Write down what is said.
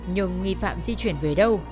nhưng nghi phạm di chuyển về đâu